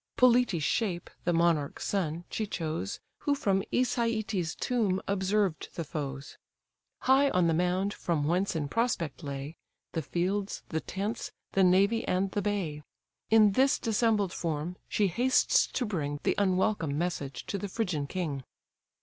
Polites' shape, the monarch's son, she chose, Who from Æsetes' tomb observed the foes, High on the mound; from whence in prospect lay The fields, the tents, the navy, and the bay. In this dissembled form, she hastes to bring The unwelcome message to the Phrygian king.